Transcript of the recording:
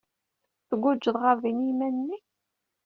Tgujjeḍ ɣer din i yiman-nnek?